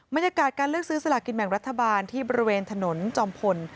บรรยากาศการเลือกซื้อสลากินแบ่งรัฐบาลที่บริเวณถนนจอมพล